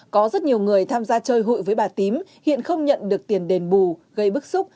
có rất nhiều người tham gia chơi hụi với bà tím hiện không nhận được tiền đền bù gây bức xúc